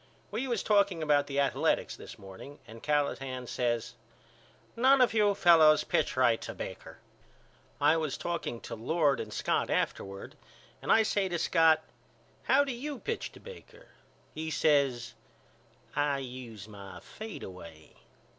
We was talking about the Athaletics this morning and Callahan says None of you fellows pitch right to Baker. I was talking to Lord and Scott afterward and I say to Scott How do you pitch to Baker? He says I use my fadeaway.